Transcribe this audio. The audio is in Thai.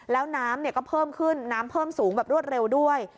แล้วน้ำก็เพิ่มขึ้นน้ำเพิ่มสูงแบบรวดเร็วด้วย